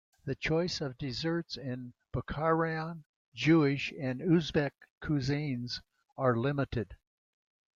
The choice of desserts in Bukharan Jewish and Uzbek cuisines are limited.